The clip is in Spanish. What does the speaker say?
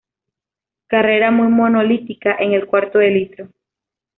Carrera muy monolítica en el cuarto de litro.